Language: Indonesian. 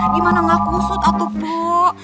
gimana nggak kusut atau kok